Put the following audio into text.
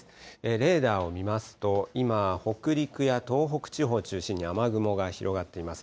レーダーを見ますと、今、北陸や東北地方を中心に雨雲が広がっています。